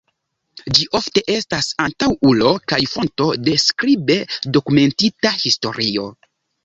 Ĝi ofte estas antaŭulo kaj fonto de skribe dokumentita historio.